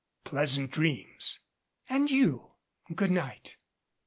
"Pleasant dreams." "And you good night."